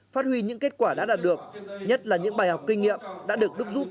phát huy những kết quả đã đạt được nhất là những bài học kinh nghiệm đã được đúc rút